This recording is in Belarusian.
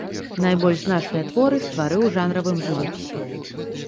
Найбольш значныя творы стварыў у жанравым жывапісе.